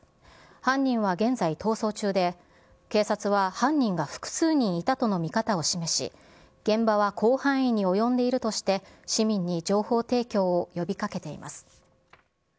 犯人は現在逃走中で、警察は犯人が複数人いたとの見方を示し、現場は広範囲に及んでいるとして、市民に情報提供を呼びかけています。